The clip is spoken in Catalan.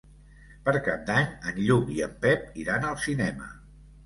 Per Cap d'Any en Lluc i en Pep iran al cinema.